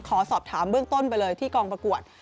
ขอสอบถามเบื้องต้นไปเลยที่กองประกวด